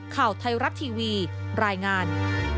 ข่าวไทยรัฐทีวีรายงาน